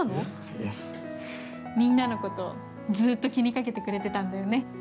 みんなのことずっと気にかけてくれてたんだよね。